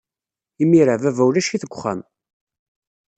Imir-a, baba ulac-it deg uxxam.